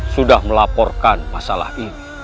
sudah melaporkan masalah ini